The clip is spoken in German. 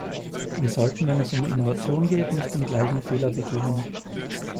Wir sollten, wenn es um Innovation geht, nicht den gleichen Fehler begehen.